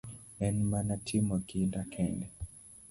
En mana timo kinda kende.